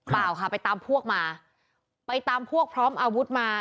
เปล่าค่ะไปตามพวกมาไปตามพวกพร้อมอาวุธมา